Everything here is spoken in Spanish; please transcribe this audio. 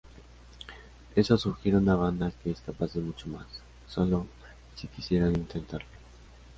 Eso sugiere una banda que es capaz de mucho más, solo si quisieran intentarlo.